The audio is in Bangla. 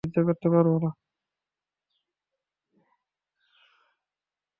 আমি এ বিষয়ে কোন সাহায্য করতে পারবনা!